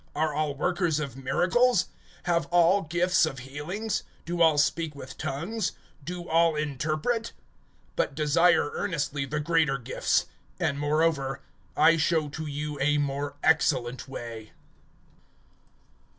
Are all workers of miracles? (30)Have all gifts of healings? Do all speak with tongues? Do all interpret? (31)But desire earnestly the greater gifts; and moreover, I show to you a more excellent way.